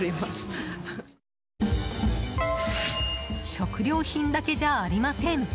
食料品だけじゃありません。